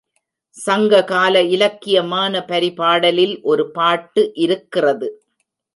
சங்க கால இலக்கியமான பரிபாடலில் ஒரு பாட்டு இருக்கிறது.